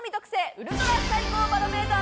ウルトラ最高バロメーター？